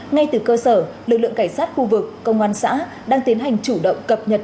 ngay từ cơ sở lực lượng cảnh sát khu vực công an xã đang tiến hành chủ động cập nhật